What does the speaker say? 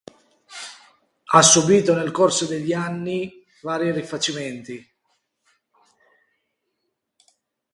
Ha subito nel corso degli anni vari rifacimenti.